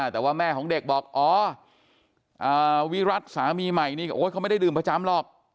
แต่ว่าแม่ของเด็กบอกอ๋อวิรัติสามีใหม่นี่โอ๊ยเขาไม่ได้ดื่มประจำหรอก